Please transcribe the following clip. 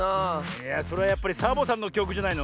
いやそれはやっぱりサボさんのきょくじゃないの？